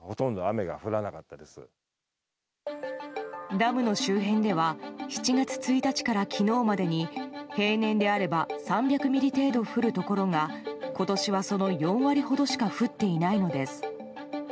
ダムの周辺では７月１日から昨日までに平年であれば３００ミリ程度降るところが今年は、その４割ほどしか降っていないのです。